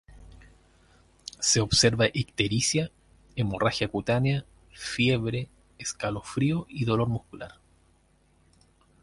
Se observa ictericia, hemorragia cutánea, fiebre, escalofrío y dolor muscular.